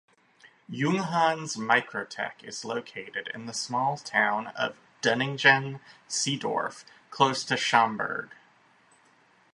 Junghans Microtec is located in the small town of Dunningen-Seedorf close to Schramberg.